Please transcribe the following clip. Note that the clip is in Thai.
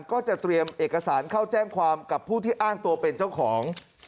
ก็จะเตรียมเอกสารเข้าแจ้งความกับผู้ที่อ้างตัวเป็นเจ้าของ